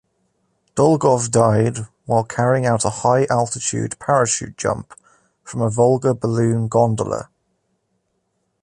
Dolgov died while carrying out a high-altitude parachute jump from a Volga balloon gondola.